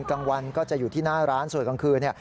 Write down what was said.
กลางวันก็จะอยู่ที่หน้าร้านส่วนกลางคืนเนี่ย